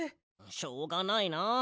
しょうがないな。